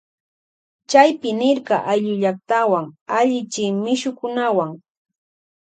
Chaypi nirka ayllullaktawan allichi mishukunawuan.